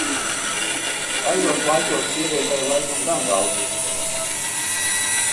Tajos laikos sievietei laikam gan daudz iespēju nebija.